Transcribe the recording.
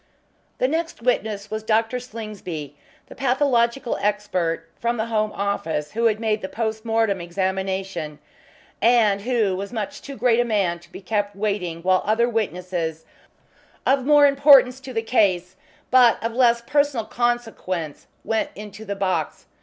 The next witness was Dr. Slingsby, the pathological expert from the Home Office who had made the post mortem examination, and who was much too great a man to be kept waiting while other witnesses of more importance to the case but of less personal consequence went into the box.